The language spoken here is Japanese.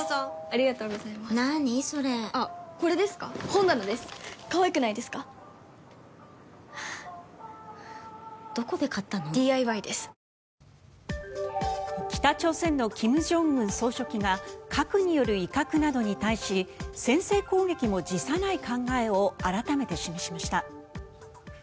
先週の土曜日から２４０８人減り北朝鮮の金正恩総書記が核による威嚇などに対し先制攻撃も辞さない考えを改めて示しました。